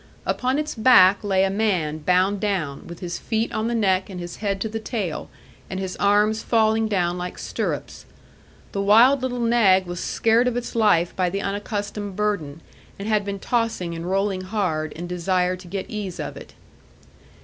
Upon its back lay a man bound down, with his feet on the neck and his head to the tail, and his arms falling down like stirrups. The wild little nag was scared of its life by the unaccustomed burden, and had been tossing and rolling hard, in desire to get ease of it.